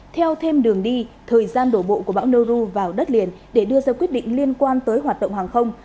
theo thêm đường đi thời gian đổ bộ của bão noru vào đất liền để đưa ra quyết định liên quan tới hoạt động hàng không